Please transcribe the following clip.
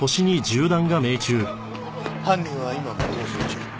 犯人は今も逃走中。